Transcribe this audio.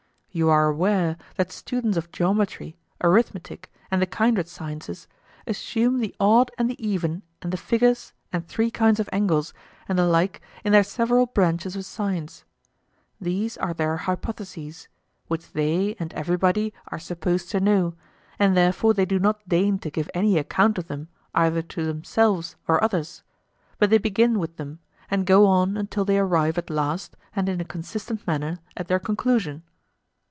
You are aware that students of geometry, arithmetic, and the kindred sciences assume the odd and the even and the figures and three kinds of angles and the like in their several branches of science; these are their hypotheses, which they and every body are supposed to know, and therefore they do not deign to give any account of them either to themselves or others; but they begin with them, and go on until they arrive at last, and in a consistent manner, at their conclusion?